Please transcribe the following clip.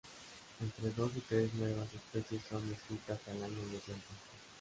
Entre dos y tres nuevas especies son descritas al año desde entonces.